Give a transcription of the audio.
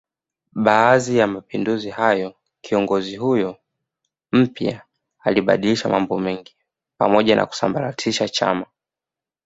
Baada ya mapinduzi hayo kiongozi huyo mpya alibadilisha mambo mengi pamoja na kusambaratisha chama